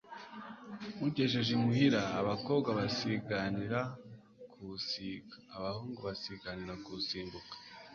nywugejeje imuhira abakobwa basiganira kuwusiga, abahungu basiganira kuwisimbuka;